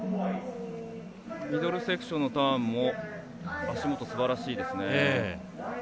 ミドルセクションのターンも足元、すばらしいですね。